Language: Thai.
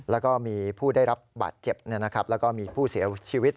แล้วก็มีผู้ได้รับบาดเจ็บแล้วก็มีผู้เสียชีวิต